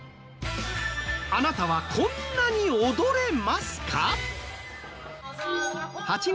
あなたはこんなに踊れますか？